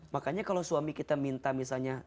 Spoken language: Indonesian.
makanya kalau suami kita minta misalnya